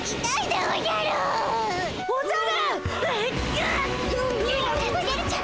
おじゃる！